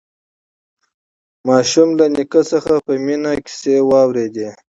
ماشوم له نیکه څخه په مینه کیسې واورېدې